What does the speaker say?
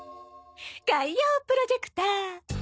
海洋プロジェクター。